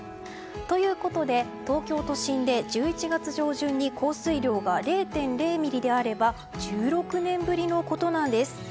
ということで東京都心で１１月上旬に降水量が０．０ミリであれば１６年ぶりのことなんです。